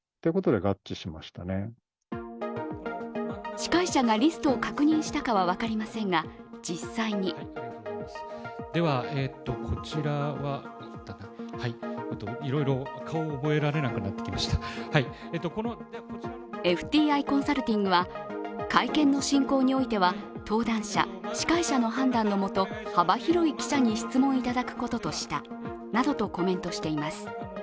司会者がリストを確認したかは分かりませんが、実際にＦＴＩコンサルティングは会見の進行においては登壇者、司会者の判断のもと幅広い記者に質問いただくこととしたなどとコメントしています。